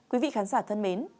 quý vị khán giả thân mến